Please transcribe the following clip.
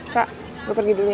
kak gue pergi dulu